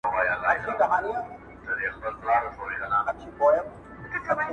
له خپل ځانه مي کافر جوړ کړ ته نه وي٫